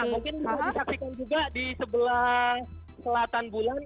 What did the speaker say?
mungkin bisa disaksikan juga di sebelah selatan bulan